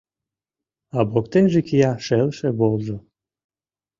А воктенже кия шелше волжо.